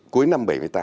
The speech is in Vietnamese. cuối năm bảy mươi tám